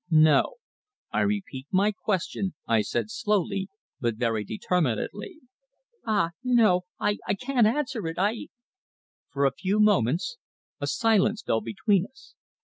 "No. I repeat my question," I said slowly, but very determinedly. "Ah! no. I I can't answer it. I " For a few moments a silence fell between us.